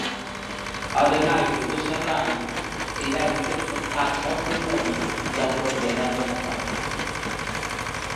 Ademais do desarraigo, tiveron que enfrontarse ao problema da propiedade da terra.